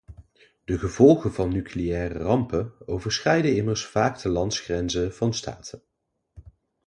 De gevolgen van nucleaire rampen overschrijden immers vaak de landsgrenzen van staten.